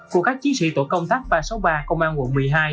của các chiến sĩ tổ công tác ba trăm sáu mươi ba công an quận một mươi hai